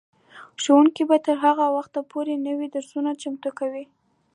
ښوونکي به تر هغه وخته پورې نوي درسونه چمتو کوي.